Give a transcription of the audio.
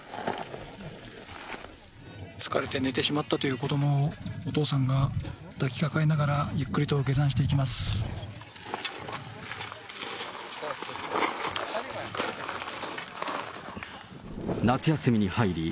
疲れて寝てしまったという子どもを、お父さんが抱きかかえながら、ゆっくりと下山していきます。